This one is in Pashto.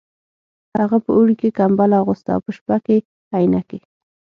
هغه په اوړي کې کمبله اغوسته او په شپه کې عینکې